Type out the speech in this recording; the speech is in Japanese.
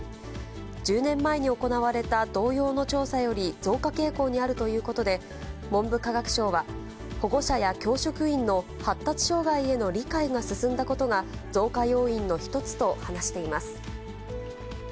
１０年前に行われた同様の調査より増加傾向にあるということで、文部科学省は、保護者や教職員の発達障害への理解が進んだことが、増加要因の一つと話しています。